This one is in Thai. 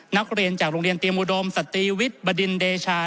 นักเรียนจากโรงเรียนเตรียมอุดมสตรีวิทย์บดินเดชา